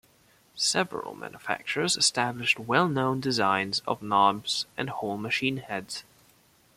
Several manufacturers established well-known designs of knobs and whole machine heads.